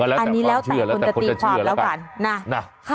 อันนี้แล้วแต่คนจะตีความแล้วกันนะ